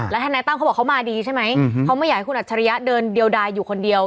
ทนายตั้มเขาบอกเขามาดีใช่ไหมเขาไม่อยากให้คุณอัจฉริยะเดินเดียวดายอยู่คนเดียว